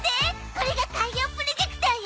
これが海洋プロジェクターよ